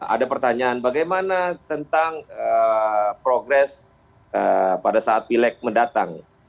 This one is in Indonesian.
ada pertanyaan bagaimana tentang progres pada saat pileg mendatang